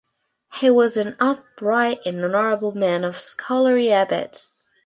He was an upright and honorable man of scholarly habits.